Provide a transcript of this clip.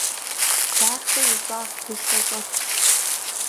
Дахэ и щӀагъ дыщэ щӀэлъщ.